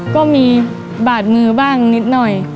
ก็มีบาดมือบ้างนิดหน่อย